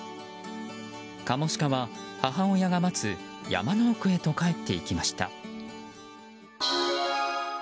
カモシカは母親が待つ山の奥へと帰っていきました。